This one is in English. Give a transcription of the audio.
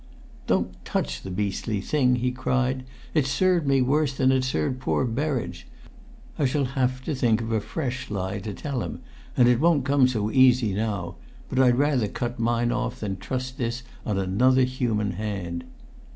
"Don't touch the beastly thing!" he cried. "It's served me worse than it served poor Berridge! I shall have to think of a fresh lie to tell him and it won't come so easy now but I'd rather cut mine off than trust this on another human hand!"